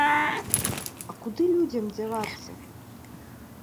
А куды людзям дзявацца?